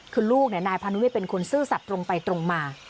คือลูกนายพานุเวศเป็นคนซื่อสัตว์ตรงไปตรงมา